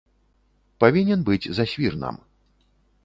Павінен быць за свірнам.